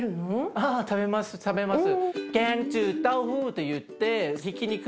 ああ食べます食べます。